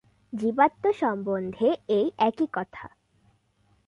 জীবাত্মা সম্বন্ধে এই একই কথা।